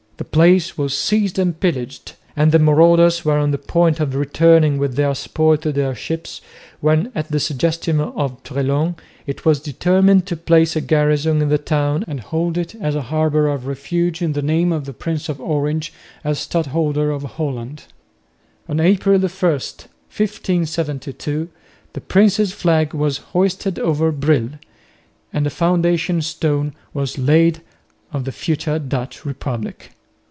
The place was seized and pillaged, and the marauders were on the point of returning with their spoil to their ships, when at the suggestion of Treslong it was determined to place a garrison in the town and hold it as a harbour of refuge in the name of the Prince of Orange, as Stadholder of Holland. On April 1, 1572, the prince's flag was hoisted over Brill, and the foundation stone was laid of the future Dutch republic.